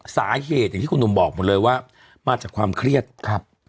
สาเหตุอย่างที่คุณหนุ่มบอกหมดเลยว่ามาจากความเครียดครับ